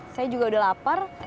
saya juga udah lapar